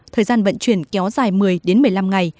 thời gian vận chuyển kéo dài một mươi đến một mươi năm ngày